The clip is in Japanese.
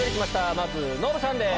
まずノブさんです。